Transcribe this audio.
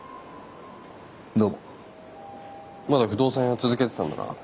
まだ不動産屋続けてたんだな。